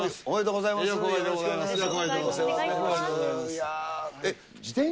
おめでとうございます。